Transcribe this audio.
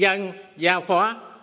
dân gia phó